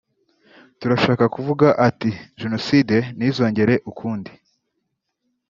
turashaka kuvuga ati Jenoside ntizongere ukundi